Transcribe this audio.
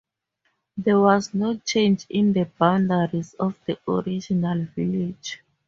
There was no change in the boundaries of the original village.